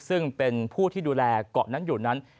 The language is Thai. ซึ่งเป็นผู้ที่ดูแลเกาะนั้นอยู่นั้น